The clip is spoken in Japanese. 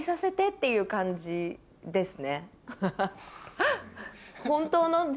っていう感じです。